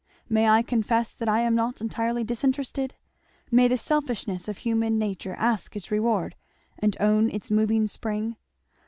"May I confess that I am not entirely disinterested? May the selfishness of human nature ask its reward, and own its moving spring?